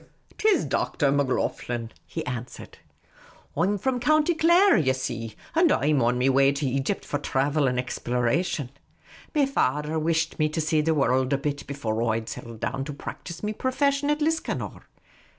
" 'T is Dr. Macloghlen," he an swered. " I 'm from County Clare, ye see ; and I 'm on me way to Egypt for thravel and exploration. Me fader whisht me to see the worruld a bit before I 'd settle down to practise me profession at Liscannor.